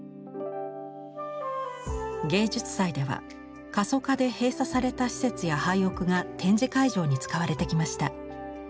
芸術祭では過疎化で閉鎖された施設や廃屋が展示会場に使われてきました。